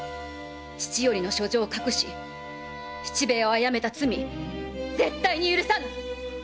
父の書状を隠し七兵衛を殺めた罪絶対に許さぬ！